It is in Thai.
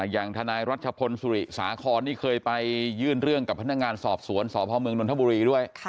อย่างทนายรัชพลสุริสาครนี่เคยไปยื่นเรื่องกับพนักงานสอบสวนสพเมืองนทบุรีด้วย